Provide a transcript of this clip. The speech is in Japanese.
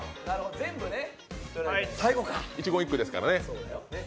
一言一句ですからね。